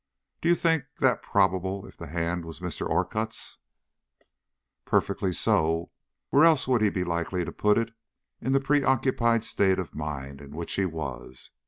"Do you think that probable if the hand was Mr. Orcutt's?" "Perfectly so. Where else would he be likely to put it in the preoccupied state of mind in which he was?